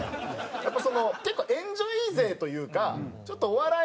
やっぱその結構エンジョイ勢というかちょっとお笑い